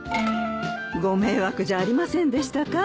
ご迷惑じゃありませんでしたか？